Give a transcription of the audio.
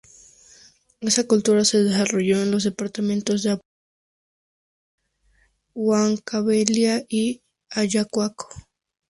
Esa cultura se desarrolló en los departamentos de Apurímac, Huancavelica y Ayacucho.